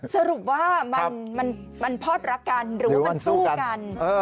สรุปว่ามันพอดรักกันหรือว่ามันสู้กัน